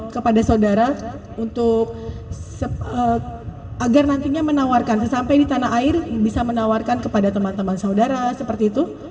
kepada saudara untuk agar nantinya menawarkan sesampai di tanah air bisa menawarkan kepada teman teman saudara seperti itu